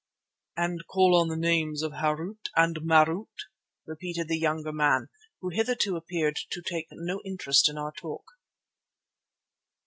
"And call on the names of Harût and Marût," repeated the younger man, who hitherto appeared to take no interest in our talk.